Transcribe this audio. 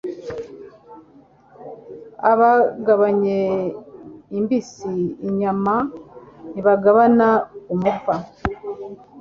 abagabanye imbisi (inyama) ntibagabana umufa